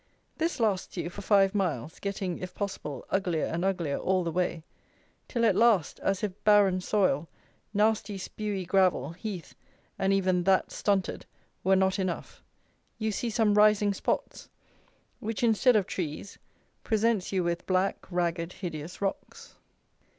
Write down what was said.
This lasts you for five miles, getting, if possible, uglier and uglier all the way, till, at last, as if barren soil, nasty spewy gravel, heath and even that stunted, were not enough, you see some rising spots, which instead of trees, presents you with black, ragged, hideous rocks.